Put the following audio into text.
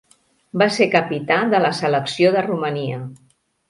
Va ser capità de la selecció de Romania.